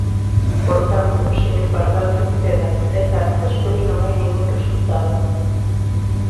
Por tanto, señor Pardal Cerceda, dez anos despois non hai ningún resultado.